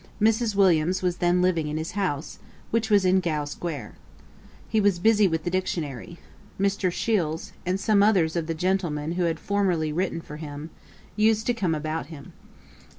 Mrs. Williams was then living in his house, which was in Gough square. He was busy with the Dictionary. Mr. Shiels, and some others of the gentlemen who had formerly written for him, used to come about him.